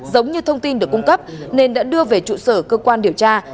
giống như thông tin được cung cấp nên đã đưa về trụ sở cơ quan điều tra